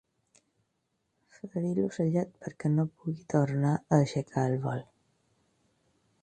Ferir l'ocellet perquè no pugui tornar a aixecar el vol.